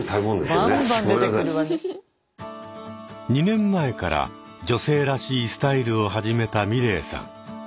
２年前から女性らしいスタイルを始めたみれいさん。